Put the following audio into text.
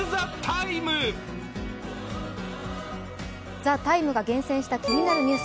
「ＴＨＥＴＩＭＥ，」が厳選した気になるニュース。